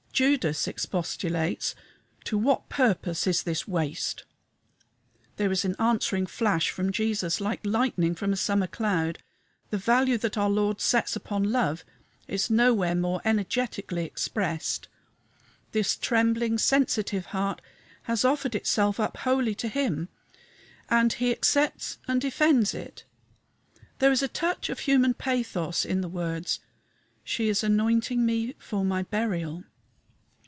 Judas expostulates, "To what purpose is this waste?" There is an answering flash from Jesus, like lightning from a summer cloud. The value that our Lord sets upon love is nowhere more energetically expressed. This trembling, sensitive heart has offered itself up wholly to him, and he accepts and defends it. There is a touch of human pathos in the words, "She is anointing me for my burial."